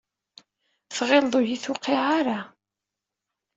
Tɣilleḍ ur yi-tewqiɛ ara?